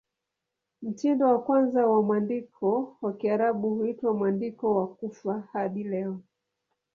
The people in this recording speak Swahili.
Mtindo wa kwanza wa mwandiko wa Kiarabu huitwa "Mwandiko wa Kufa" hadi leo.